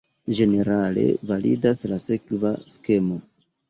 Ĝenerale validas la sekva skemo.